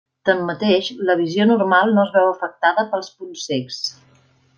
Tanmateix, la visió normal no es veu afectada pels punts cecs.